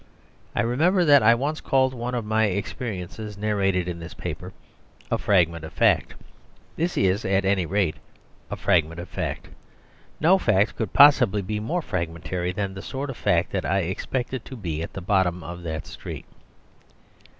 I remember that I once called one of my experiences narrated in this paper "A Fragment of Fact." This is, at any rate, a fragment of fact. No fact could possibly be more fragmentary than the sort of fact that I expected to be at the bottom of that street.